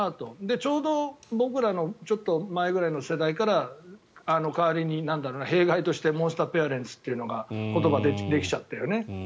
ちょうど、僕らのちょっと前ぐらいの世代から代わりに弊害としてモンスターペアレンツという言葉ができちゃったよね。